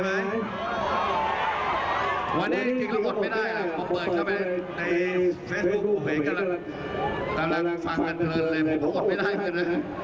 หัวใจอันนี้ใหญ่หัวใจความรับท่าวัพยีทั้งมาพระความฟราวรสุมปราวท์ใคร